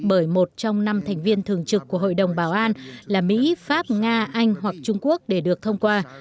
bởi một trong năm thành viên thường trực của hội đồng bảo an là mỹ pháp nga anh hoặc trung quốc để được thông qua